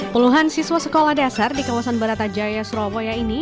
puluhan siswa sekolah dasar di kawasan baratajaya surabaya ini